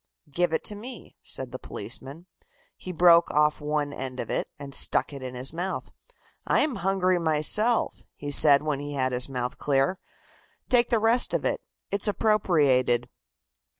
"Give it to me," said the policeman. He broke off one end of it and stuck it in his mouth. "I am hungry myself," he said when he had his mouth clear. "Take the rest of it. It's appropriated."